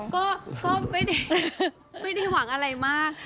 ก็ไม่ได้หวังอะไรมาก